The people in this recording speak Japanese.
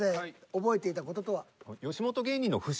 覚えていた事とは？